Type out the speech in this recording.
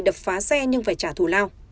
đập phá xe nhưng phải trả thù lao